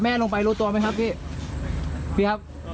มีตัวหน้าอยู่เลย